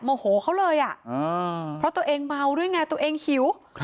โมโหเขาเลยเพราะตัวเองเมาด้วยไงตัวเองหิว